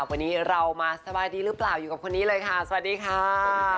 วันนี้เรามาสบายดีหรือเปล่าอยู่กับคนนี้เลยค่ะสวัสดีค่ะ